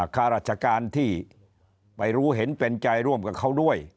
ข้าราชการที่ไปรู้เห็นเป็นใจร่วมกับเขาด้วย